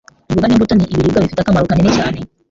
Imboga n'imbuto ni ibiribwa bifite akamaro kanini cyane